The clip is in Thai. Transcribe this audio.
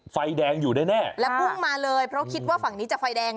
ไฟแดงอยู่แน่แน่แล้วพุ่งมาเลยเพราะคิดว่าฝั่งนี้จะไฟแดง